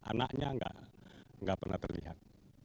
anaknya enggak pernah terlihat